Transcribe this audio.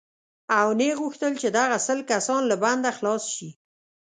او نه یې غوښتل چې دغه سل کسان له بنده خلاص شي.